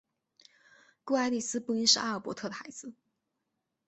故爱丽丝不应是阿尔伯特的孩子。